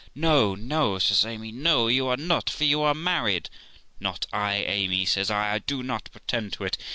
'No, no', says Amy; 'no, you are not, for you are married.' 'Not I, Amy', says I; 'I do not pretend to it.